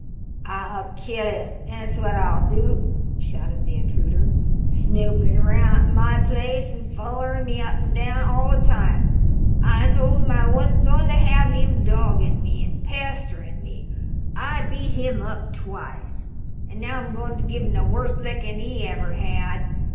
"I'll kill him, that's what I'll do!" shouted the intruder. "Snoopin' around my place, and follerin' me up an' down all the time! I told him I wasn't goin' to have him doggin' me an' pesterin' me. I've beat him up twice, an' now I'm goin' to give him the worst lickin' he ever had.